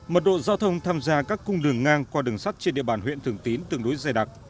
mật độ giao thông tham gia các cung đường ngang qua đường sắt trên địa bàn huyện thường tín tương đối dài đặc